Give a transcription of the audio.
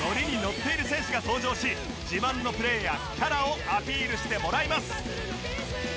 ッている選手が登場し自慢のプレーやキャラをアピールしてもらいます